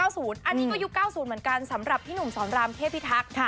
อันนี้ก็ยุค๙๐เหมือนกันสำหรับพี่หนุ่มสอนรามเทพิทักษ์